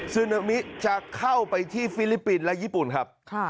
ซึนามิจะเข้าไปที่ฟิลิปปินส์และญี่ปุ่นครับ